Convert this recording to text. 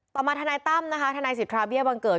ต่อมาทนายตั้มทนายสิทธาเบี้ยวังเกิด